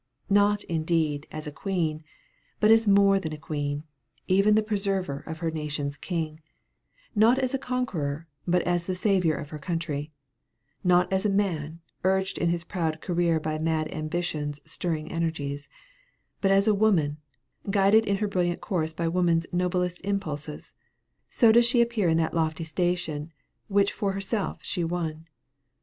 Not, indeed, as a queen, but as more than a queen, even the preserver of her nation's king; not as a conqueror, but as the savior of her country; not as a man, urged in his proud career by mad ambition's stirring energies, but as a woman, guided in her brilliant course by woman's noblest impulses so does she appear in that lofty station which for herself she won.